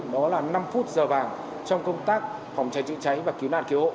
đó là năm phút giờ vàng trong công tác phòng cháy chữa cháy và cứu nạn cứu hộ